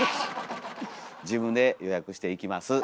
自分で予約して行きます。